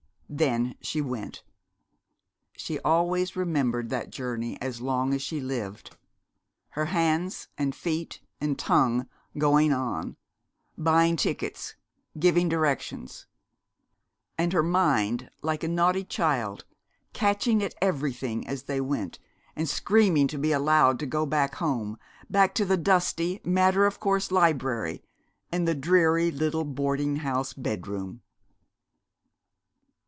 Then she went. She always remembered that journey as long as she lived; her hands and feet and tongue going on, buying tickets, giving directions and her mind, like a naughty child, catching at everything as they went, and screaming to be allowed to go back home, back to the dusty, matter of course library and the dreary little boarding house bedroom!